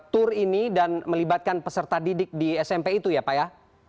tur ini dan melibatkan peserta didik di smp itu ya pak ya